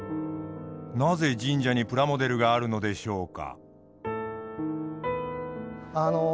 なぜ神社にプラモデルがあるのでしょうか。